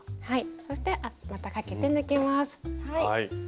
そしてまたかけて抜きます。